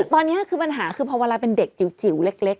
ตอนนี้มีปัญหาเพราะว่ามาเป็นเด็กจิ๋วเล็กเล็ก